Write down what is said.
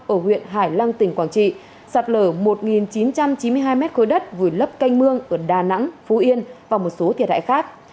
ở huyện hải lăng tỉnh quảng trị sạt lở một chín trăm chín mươi hai mét khối đất vùi lấp canh mương ở đà nẵng phú yên và một số thiệt hại khác